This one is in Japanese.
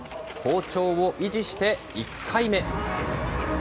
好調を維持して１回目。